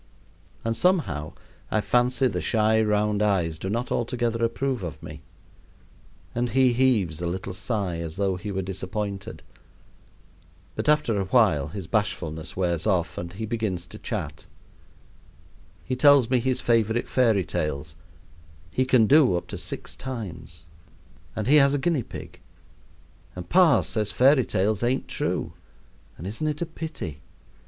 And some how I fancy the shy, round eyes do not altogether approve of me, and he heaves a little sigh, as though he were disappointed. But after awhile his bashfulness wears off and he begins to chat. He tells me his favorite fairy tales, he can do up to six times, and he has a guinea pig, and pa says fairy tales ain't true; and isn't it a pity?